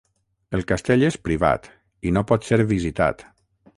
El castell és privat i no pot ser visitat.